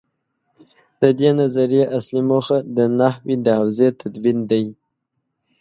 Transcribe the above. د دې نظریې اصلي موخه د نحوې د حوزې تدوین دی.